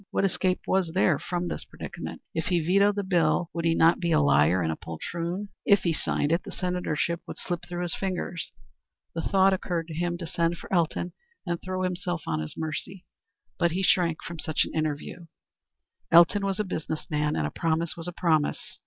What escape was there from the predicament? If he vetoed the bill, would he not be a liar and a poltroon? If he signed it, the senatorship would slip through his fingers. The thought occurred to him to send for Elton and throw himself on his mercy, but he shrank from such an interview. Elton was a business man, and a promise was a promise.